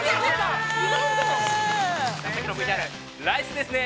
◆さっきのＶＴＲ、ライスですね！